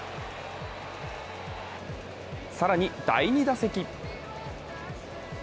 更に第２打席。